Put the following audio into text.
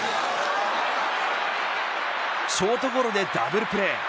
ショートゴロでダブルプレー。